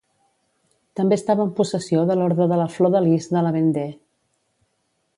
També estava en possessió de l'Orde de la Flor de Lis de la Vendée.